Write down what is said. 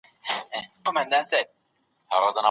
زموږ تاریخ زموږ د سیاست لوری ټاکي.